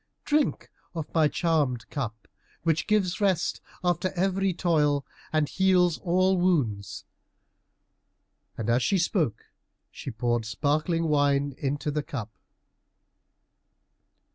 drink of my charmed cup, which gives rest after every toil and heals all wounds;" and as she spoke she poured sparkling wine into the cup.